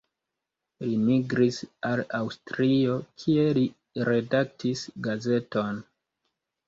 Li migris al Aŭstrio, kie li redaktis gazeton.